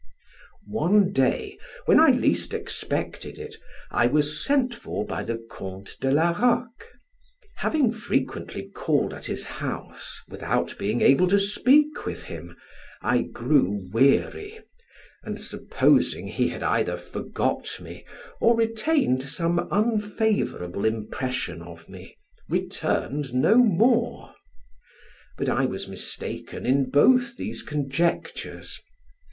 One day, when I least expected it, I was sent for by the Count de la Roque. Having frequently called at his house, without being able to speak with him, I grew weary, and supposing he had either forgot me or retained some unfavorable impression of me, returned no more: but I was mistaken in both these conjectures.